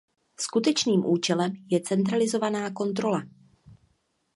Skutečným účelem je centralizovaná kontrola.